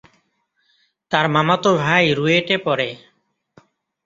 তার মামাতো ভাই রুয়েটে পড়ে।